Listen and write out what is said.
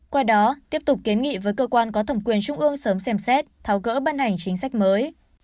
qua đó tiếp tục kiến nghị với cơ quan có thẩm quyền trung ương sớm xem xét tháo gỡ ban hành chính sách mới